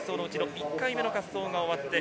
１回目の滑走が終わりました。